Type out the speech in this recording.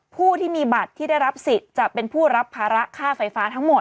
ผู้ที่มีบัตรที่ได้รับสิทธิ์จะเป็นผู้รับภาระค่าไฟฟ้าทั้งหมด